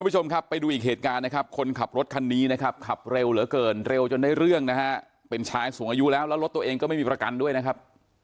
คุณผู้ชมครับไปดูอีกเหตุการณ์นะครับคนขับรถคันนี้นะครับขับเร็วเหลือเกินเร็วจนได้เรื่องนะฮะเป็นชายสูงอายุแล้วแล้วรถตัวเองก็ไม่มีประกันด้วยนะครับ